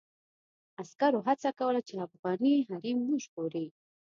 عسکرو هڅه کوله چې افغاني حريم وژغوري.